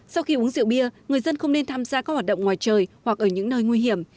sau khi uống rượu bia người dân không nên tham gia các hoạt động ngoài trời hoặc ở những nơi nguy hiểm